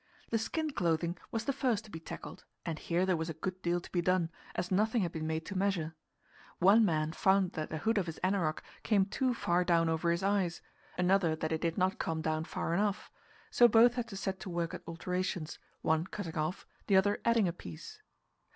The skin clothing was the first to be tackled, and here there was a good deal to be done, as nothing had been made to measure. One man found that the hood of his anorak came too far down over his eyes, another that it did not come down far enough; so both had to set to work at alterations, one cutting off, the other adding a piece.